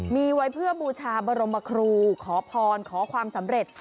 มีไว้เพื่อบูชาบรมครูขอพรขอความสำเร็จ